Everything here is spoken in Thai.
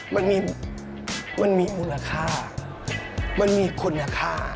มันมีมูลค่ามันมีคุณค่า